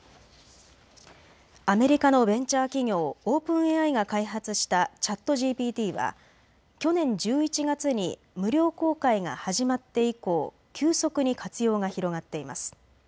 アメリカのベンチャー企業、オープンＡＩが開発したチャットＧＰＴは去年１１月に無料公開が始まって以降、急速に活用が広がっています。